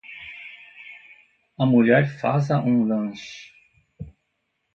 A mulher faza um lanche.